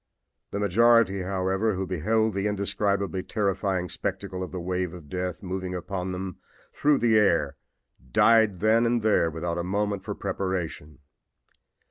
The majority, however, who beheld the indescribably terrifying spectacle of the wave of death moving upon them through the air died then and there without a moment for preparation.